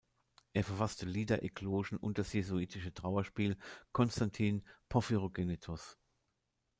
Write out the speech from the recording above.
Er verfasste Lieder, Eklogen und das jesuitische Trauerspiel „Konstantin Porphyrogennetos“.